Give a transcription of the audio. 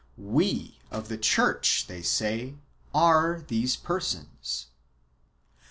We of the church, they say, are these persons.